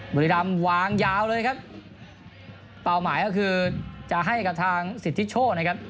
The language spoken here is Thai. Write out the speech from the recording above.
บุรีรำวางยาวเลยครับเป้าหมายก็คือจะให้กับทางสิทธิโชคนะครับ